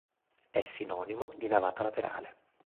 È sinonimo di navata laterale.